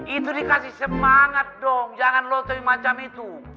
itu dikasih semangat dong jangan lo coi macam itu